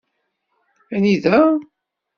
Anida?